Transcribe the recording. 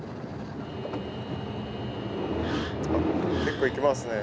結構いきますね。